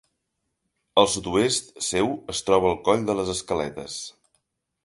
Al sud-oest seu es troba el coll de les Escaletes.